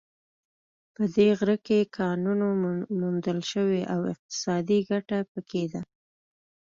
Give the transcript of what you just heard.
په دې غره کې کانونو موندل شوې او اقتصادي ګټه په کې ده